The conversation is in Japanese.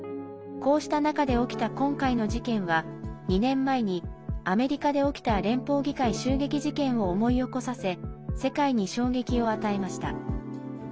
こうした中で起きた今回の事件は２年前にアメリカで起きた連邦議会襲撃事件を思い起こさせ世界に衝撃を与えました。